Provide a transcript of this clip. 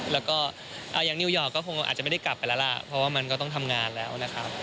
แล้วก็อย่างนิวยอร์กก็คงอาจจะไม่ได้กลับไปแล้วล่ะเพราะว่ามันก็ต้องทำงานแล้วนะครับ